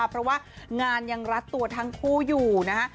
เพราะว่างานยังรัดตัวทั้งคู่อยู่นะฮะ